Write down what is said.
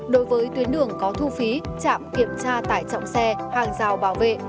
đối với tuyến đường có thu phí trạm kiểm tra tải trọng xe hàng rào bảo vệ